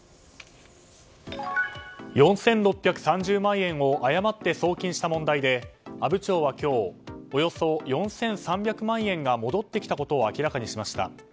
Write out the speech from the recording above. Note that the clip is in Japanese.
４６３０万円を誤って送金した問題で阿武町は今日およそ４３００万円が戻ってきたことを明らかにしました。